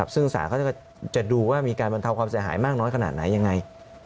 ซึ่งศาลเขาจะดูว่ามีการบรรเทาความเสียหายมากน้อยขนาดไหนยังไง